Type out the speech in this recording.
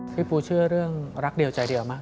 พี่ปูเชื่อเรื่องรักเดียวใจเดียวไหม